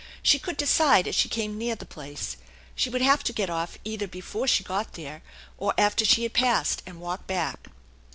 She could decide as she came near the place. She would have to get off either before she got there or after she had passed and walk back.